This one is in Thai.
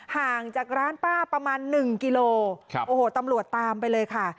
ห่างจากร้านป้าประมาณ๑กิโลกรัมตำรวจตามไปเลยค่ะ